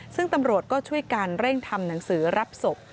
ซึ่งตำรวจก็ช่วยกันเร่งทำหนังสือรับศพ